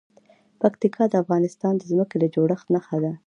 پکتیکا د افغانستان د ځمکې د جوړښت نښه ده.